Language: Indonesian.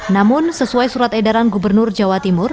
namun sesuai surat edaran gubernur jawa timur